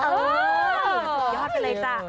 สุดยอดไปเลยจ้ะ